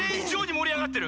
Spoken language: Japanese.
もりあがってる。